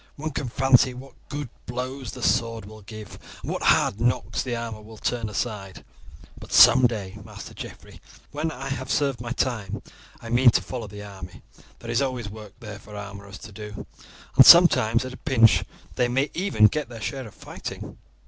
One can fancy what good blows the sword will give and what hard knocks the armour will turn aside; but some day, Master Geoffrey, when I have served my time, I mean to follow the army. There is always work there for armourers to do, and sometimes at a pinch they may even get their share of fighting."